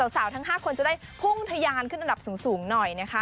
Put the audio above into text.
ทั้ง๕คนจะได้พุ่งทะยานขึ้นอันดับสูงหน่อยนะคะ